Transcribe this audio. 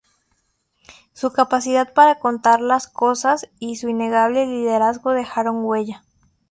Su capacidad para contar las cosas y su innegable liderazgo dejaron huella.